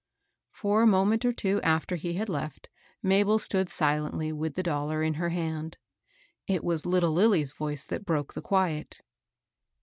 ^^ For a moment or two after he had left, Mabel stood silently, with the dollar in her hand. It was little Lilly's voice that broke the quiet.